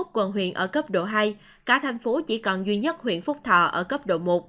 hai mươi một quận huyện ở cấp độ hai cả thành phố chỉ còn duy nhất huyện phúc thọ ở cấp độ một